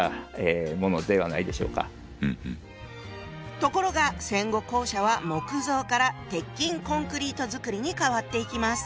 ところが戦後校舎は木造から鉄筋コンクリート造りにかわっていきます。